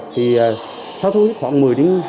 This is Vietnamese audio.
thì sốt xuất huyết khoảng một mươi đến hai mươi